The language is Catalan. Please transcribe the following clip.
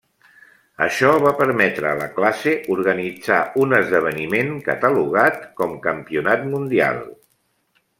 Això va permetre a la classe organitzar un esdeveniment catalogat com campionat mundial.